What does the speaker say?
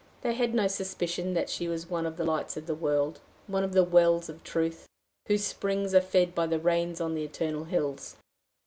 They had no suspicion that she was one of the lights of the world one of the wells of truth, whose springs are fed by the rains on the eternal hills.